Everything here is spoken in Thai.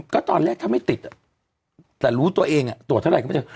ก็ตอนแรกถ้าไม่ติดแต่รู้ตัวเองตรวจเท่าไหก็ไม่เจอ